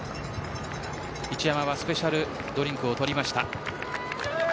一山はスペシャルドリンクを取りました。